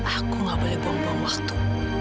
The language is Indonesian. aku gak boleh buang buang waktu